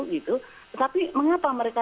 gitu tapi mengapa mereka